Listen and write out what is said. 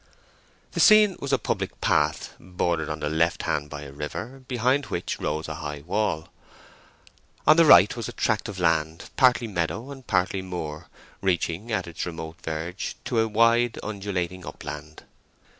The scene was a public path, bordered on the left hand by a river, behind which rose a high wall. On the right was a tract of land, partly meadow and partly moor, reaching, at its remote verge, to a wide undulating upland.